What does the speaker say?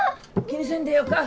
気にせんでよか。